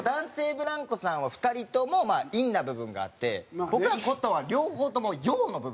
ブランコさんは２人とも陰な部分があって僕らコットンは両方とも陽の部分なんですよね。